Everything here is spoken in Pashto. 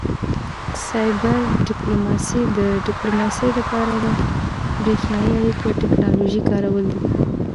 سایبر ډیپلوماسي د ډیپلوماسي لپاره د بریښنایي اړیکو او ټیکنالوژۍ کارول دي